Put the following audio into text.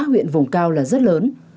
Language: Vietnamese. các xã huyện vùng cao là rất lớn